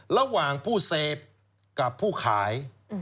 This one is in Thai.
ระหว่างผู้เสพกับผู้ขาย